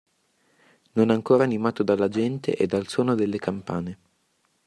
Non ancora animato dalla gente e dal suono delle campane.